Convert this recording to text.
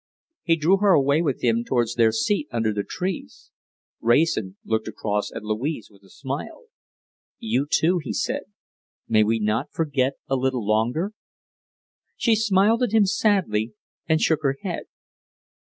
He drew her away with him towards their seat under the trees. Wrayson looked across at Louise with a smile. "You, too," he said. "May we not forget a little longer?" She smiled at him sadly, and shook her head.